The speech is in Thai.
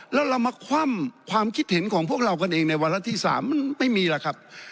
แล้วเรามาคว่ำความคิดเห็นของพวกเรากันเองในวาระที่๓มันไม่มีล่ะครับ